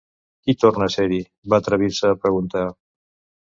"Qui torna a ser-hi?" va atrevir-se a preguntar.